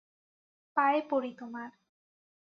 পায়ে পড়ি তোমার।